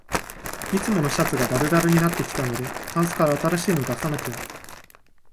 いつものシャツがだるだるになってきたので、タンスから新しいの出さなきゃ